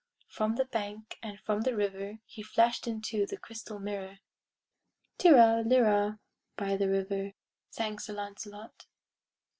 From the bank and from the river He flashed into the crystal mirror, "Tirra lirra," by the river Sang Sir Lancelot.